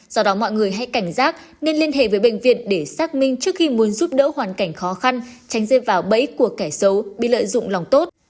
do đó mọi người hãy cảnh giác nên liên hệ với bệnh viện để xác minh trước khi muốn giúp đỡ hoàn cảnh khó khăn tránh rơi vào bẫy của kẻ xấu bị lợi dụng lòng tốt